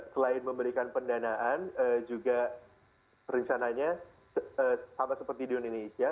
selain memberikan pendanaan juga rencananya sama seperti di indonesia